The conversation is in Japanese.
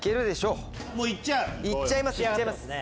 行っちゃいます。